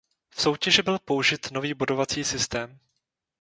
V soutěži byl použit nový bodovací systém.